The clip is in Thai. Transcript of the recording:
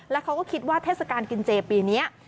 แล้วเขาก็คิดว่าเทศกาลกินเจปีนี้